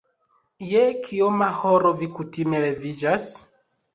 Je kioma horo vi kutime leviĝas?